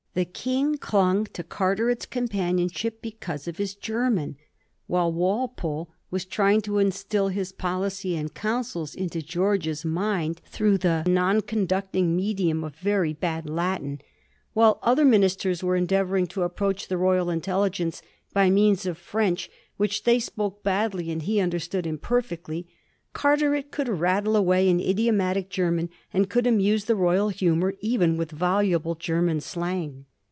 The King clung to Carteret's com panionship because of his German. While Walpole was trying to instil his policy and counsels into George's mind through the non conducting medium of very bad Latin, while other ministers were en deavouring to approach the royal intelligence by means of French which they spoke badly and he understood imperfectly, Carteret could rattle away in idiomatic German, and could amuse the royal humour even with voluble German slang.